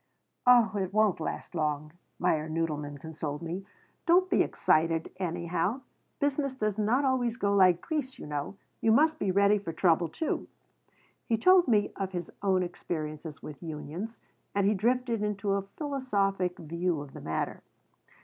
"Oh, it won't last long," Meyer Nodelman consoled me. "Don't be excited, anyhow. Business does not always go like grease, you know. You must be ready for trouble too." He told me of his own experiences with unions and he drifted into a philosophic view of the matter.